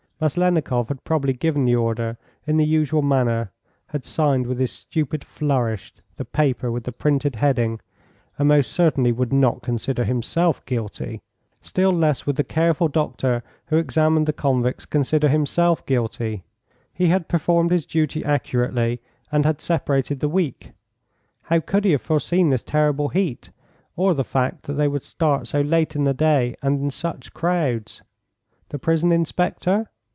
Maslennikoff had probably given the order in the usual manner, had signed with his stupid flourish the paper with the printed heading, and most certainly would not consider himself guilty. Still less would the careful doctor who examined the convicts consider himself guilty. He had performed his duty accurately, and had separated the weak. How could he have foreseen this terrible heat, or the fact that they would start so late in the day and in such crowds? The prison inspector?